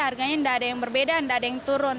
harganya tidak ada yang berbeda tidak ada yang turun